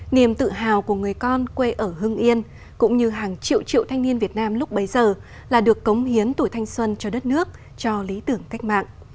niềm tự hào của người con quê ở hưng yên cũng như hàng triệu triệu thanh niên việt nam lúc bấy giờ là được cống hiến tuổi thanh xuân cho đất nước cho lý tưởng cách mạng